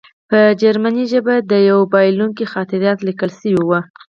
په جرمني ژبه د یوه بایلونکي خاطرات لیکل شوي وو